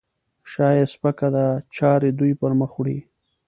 شا یې سپکه ده؛ چارې دوی پرمخ وړي.